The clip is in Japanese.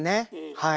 はい。